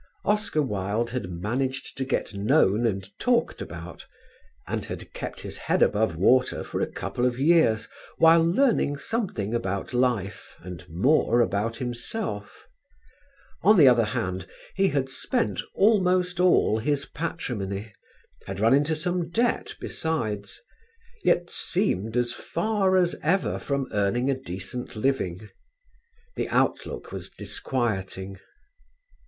Oscar Wilde had managed to get known and talked about and had kept his head above water for a couple of years while learning something about life and more about himself. On the other hand he had spent almost all his patrimony, had run into some debt besides; yet seemed as far as ever from earning a decent living. The outlook was disquieting.